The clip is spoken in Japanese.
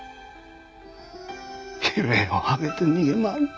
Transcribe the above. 悲鳴を上げて逃げ回って。